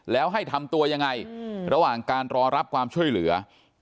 แล้วให้ทำตัวยังไงระหว่างการรอรับความช่วยเหลือ